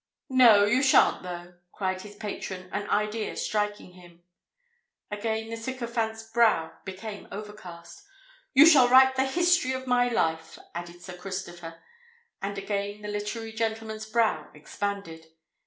"No—you shan't, though," cried his patron, an idea striking him. Again the sycophant's brow became overcast. "You shall write the history of my life!" added Sir Christopher. And again the literary gentleman's brow expanded.